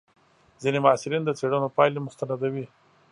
ځینې محصلین د څېړنو پایلې مستندوي.